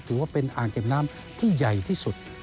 ถือว่าเป็นอ่างเก็บน้ำที่ใหญ่ที่สุด